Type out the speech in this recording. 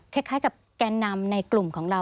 คล้ายกับแกนนำในกลุ่มของเรา